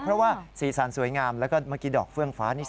เพราะว่าสีสันสวยงามแล้วก็เมื่อกี้ดอกเฟื่องฟ้านี่